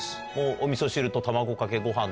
おみそ汁と卵かけご飯と。